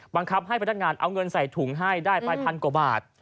บังคับให้พนักงานเอาเงินใส่ถุงให้ได้ไปพันกว่าบาท